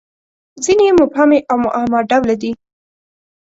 • ځینې یې مبهمې او معما ډوله دي.